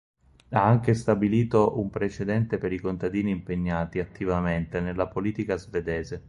Ha anche stabilito un precedente per i contadini impegnati attivamente nella politica svedese.